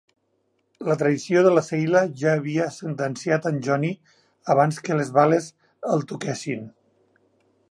La traïció de la Sheila ja havia sentenciat en Johnny abans que les bales el toquessin.